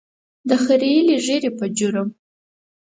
د خرییلې ږیرې په جرم.